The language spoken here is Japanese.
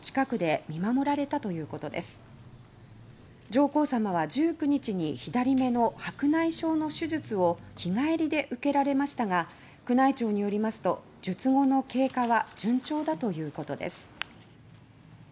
上皇さまは１９日に左目の白内障の手術を日帰りで受けられましたが宮内庁によりますと術後の経過は順調だということです。